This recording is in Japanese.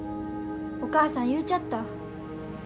お母さん言うちゃった。